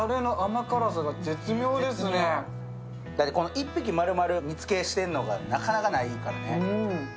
１匹まるまる煮つけしているのがなかなかないからね。